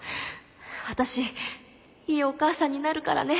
私いいお母さんになるからね。